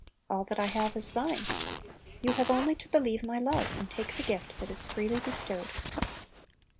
"All that I have is thine." You have only to believe my love, and take the gift that is freely bestowed.